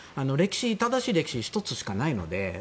正しい歴史は１つしかないので。